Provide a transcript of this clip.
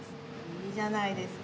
いいじゃないですか。